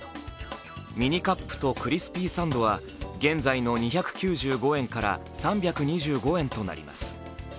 ミニカップとクリスピーサンドは現在の２９５円から３２５円となります。